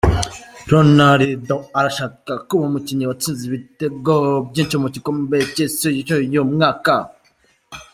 Ronaldo arashaka kuba umukinnyi watsinze ibitego byinshi mu gikombe cy’isi cy’uyu mwaka.